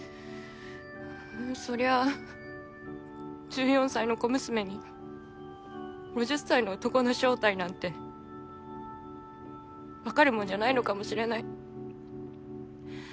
そりゃ１４歳の小娘に５０歳の男の正体なんてわかるもんじゃないのかもしれない。